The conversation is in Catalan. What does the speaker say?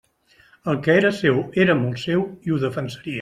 El que era seu era molt seu, i ho defensaria.